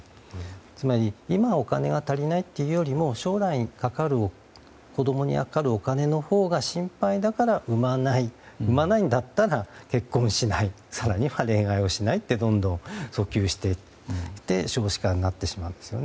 つまり、今お金が足りないというよりも将来子供にかかるお金のほうが心配だから産まない、産まないんだったら結婚しない更には恋愛をしないとどんどん、遡及していって少子化になってしまうんですよね。